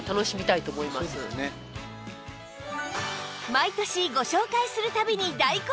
毎年ご紹介する度に大好評！